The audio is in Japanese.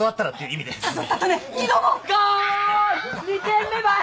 ２点目ばい！